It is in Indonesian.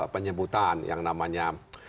penyebutan yang namanya